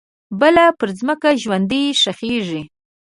بله پرمځکه ژوندۍ ښخیږې